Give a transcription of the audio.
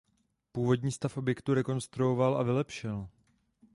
Původní stav objektu rekonstruoval a vylepšil.